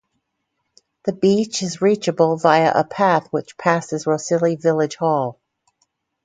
The beach is reachable via a path which passes Rhossili village hall.